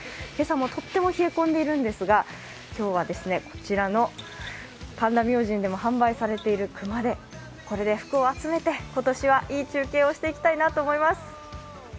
今朝もとっても冷え込んでいるんですが、今日はこちらの今日はこちらの神田明神でも販売されている熊手で、これで福を集めて、今年はいい中継をしていきたいと思います。